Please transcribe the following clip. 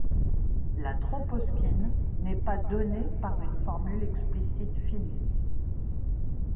La troposkine n’est pas donnée par une formule explicite finie.